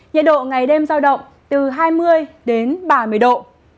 nhiệt độ ngày đêm giao động từ hai mươi đến ba mươi độ